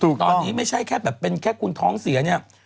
ตอนนี้ไม่ใช่แค่คุณท้องเสียเนี่ย